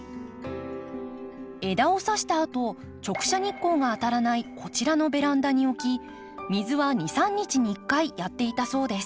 枝をさしたあと直射日光が当たらないこちらのベランダに置き水は２３日に１回やっていたそうです。